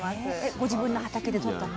ご自分の畑でとったの？